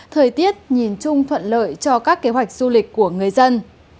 thời tiết nhìn chung thuận lợi cho các kế hoạch du lịch của người dân